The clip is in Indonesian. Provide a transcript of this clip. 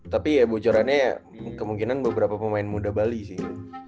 tapi ya bocorannya ya kemungkinan beberapa pemain muda bali sih